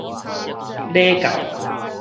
禮教